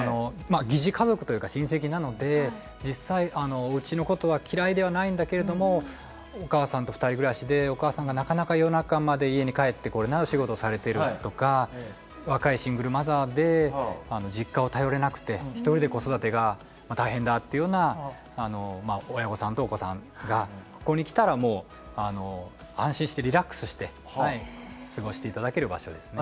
疑似家族というか親戚なので実際うちのことは嫌いではないんだけれどもお母さんと２人暮らしでお母さんがなかなか夜中まで家に帰ってこれないお仕事をされているとか若いシングルマザーで実家を頼れなくて一人で子育てが大変だっていうような親御さんとお子さんがここに来たらもう安心してリラックスして過ごして頂ける場所ですね。